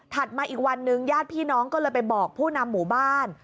มาอีกวันนึงญาติพี่น้องก็เลยไปบอกผู้นำหมู่บ้าน